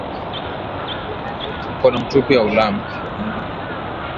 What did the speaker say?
Mkono mtupu haulambwi